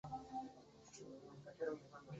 Luego lo compra la familia Obligado.